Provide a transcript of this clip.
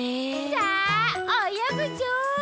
さあおよぐぞ！